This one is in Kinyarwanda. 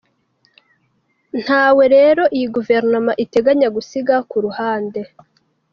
Ntawe rero iyi Guverinoma iteganya gusiga ku ruhande.